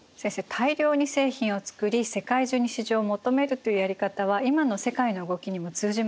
大量に製品を作り世界中に市場を求めるというやり方は今の世界の動きにも通じますよね。